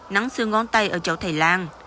nắn xương ngón tay ở chậu thầy lan